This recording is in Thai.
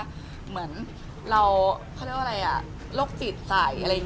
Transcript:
นี้เกิดเรื่องด้วยที่ให้คนเอารูปเราไปแอบอ้าง